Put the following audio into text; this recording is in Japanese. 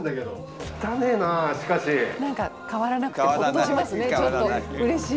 何か変わらなくてほっとしますねちょっとうれしい。